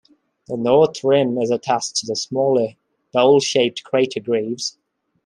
The north rim is attached to the smaller, bowl-shaped crater Greaves.